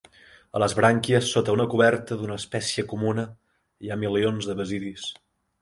A les brànquies sota una coberta d"una espècie comuna, hi ha milions de basidis.